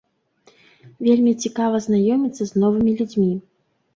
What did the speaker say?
Вельмі цікава знаёміцца з новымі людзьмі.